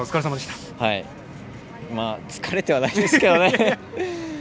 疲れてはないですけどね。